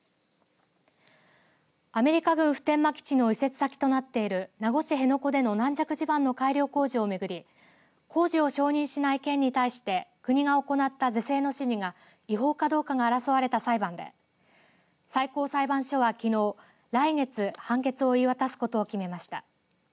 アメリカ軍普天間基地の移設先となっている名護市辺野古での軟弱地盤の改良工事をめぐり工事を承認しない県に対して国が行った是正の指示が違法かどうかが争われた裁判で最高裁判所は、きのう来月、判決を言い渡すことを決めました。